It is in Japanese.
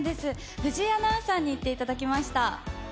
藤井アナウンサーに行っていただきました。